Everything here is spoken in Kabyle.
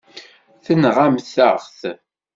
Tenɣamt-aɣ-t.